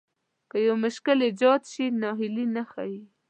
که يو مشکل ايجاد شي ناهيلي نه ښايي.